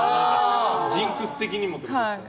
ジンクス的にもってことですよね。